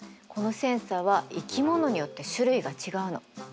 このセンサーは生き物によって種類が違うの。